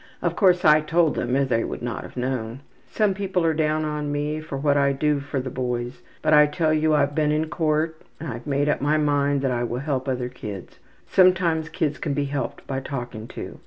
Of course I told them or they would not have known. Some people are down on me for what I do for the boys, but I tell you I've been in court and I've made up my mind I will help other kids. Sometimes kids can be helped by talking to.